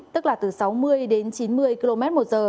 tức là từ sáu mươi đến chín mươi km